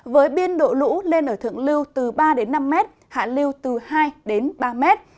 với biên độ lũ lên ở thượng lưu từ ba năm m hạ lưu từ hai ba m